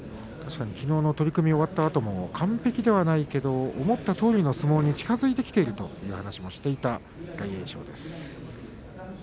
きのうの取組が終わったあとも完璧じゃないけれども思ったとおりの相撲に近づいてきているという話をしていた大栄翔です。